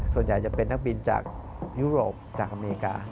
ส่วนใหญ่จะเป็นนักบินจากยุโรปจากอเมริกา